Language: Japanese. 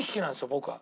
僕は。